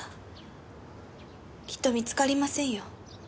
きっと見つかりませんよ。